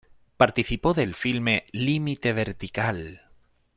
Participó del filme "Límite vertical".